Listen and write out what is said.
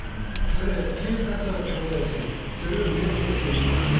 それは検察は強大すぎる、それを利用する政治がある。